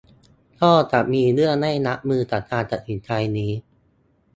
ก็จะมีเรื่องให้รับมือจากการตัดสินใจนี้